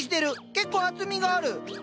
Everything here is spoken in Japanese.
結構厚みがある。